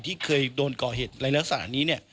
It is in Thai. ที่เคยโดนก่อเหตุในลักษณะนี้เนี่ย